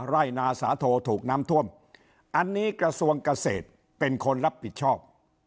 ไร่นาสาโทถูกน้ำท่วมอันนี้กระทรวงเกษตรเป็นคนรับผิดชอบ